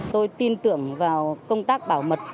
tôi tin tưởng vào công tác bảo mật